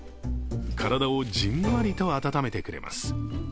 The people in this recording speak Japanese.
体をじんわりと温めてくれます。